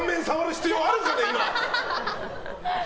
必要あるかね、今！